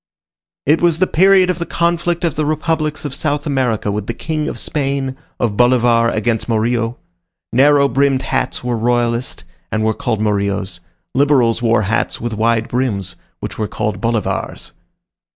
It was the period of the conflict of the republics of South America with the King of Spain, of Bolivar against Morillo. Narrow brimmed hats were royalist, and were called morillos; liberals wore hats with wide brims, which were called bolivars.